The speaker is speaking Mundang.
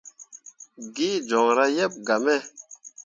Gee joŋra yeb gah me.